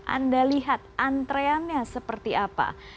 anda lihat antreannya seperti apa